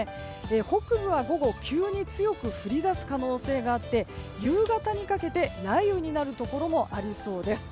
北部は午後急に強く降りだす可能性があって夕方にかけて雷雨になるところもありそうです。